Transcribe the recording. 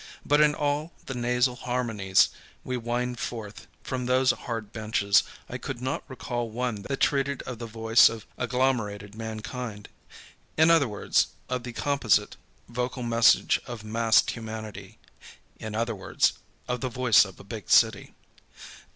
But in all the nasal harmonies we whined forth from those hard benches I could not recall one that treated of the voice of agglomerated mankind. In other words, of the composite vocal message of massed humanity. In other words, of the Voice of a Big City.